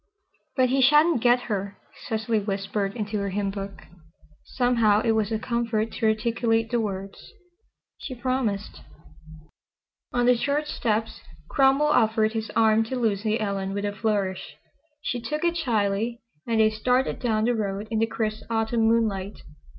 "But he sha'n't get her," Cecily whispered into her hymnbook. Somehow it was a comfort to articulate the words, "She promised." On the church steps Cromwell offered his arm to Lucy Ellen with a flourish. She took it shyly, and they started down the road in the crisp Autumn moonlight.